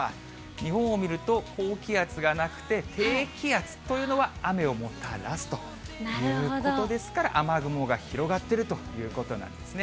日本を見ると高気圧がなくて、低気圧というのは、雨をもたらすということですから、雨雲が広がってるということなんですね。